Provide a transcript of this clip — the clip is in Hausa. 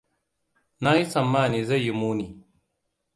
Na yi tsammani zai yi muni.